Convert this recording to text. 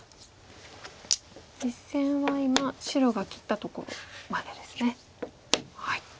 実戦は今白が切ったところまでですね。